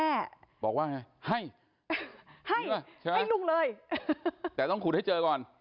แล้วลุงไม่จำที่นี่แน่